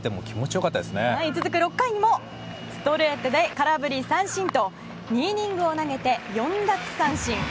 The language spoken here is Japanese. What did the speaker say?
続く６回にもストレートで空振り三振と２イニングを投げて４奪三振。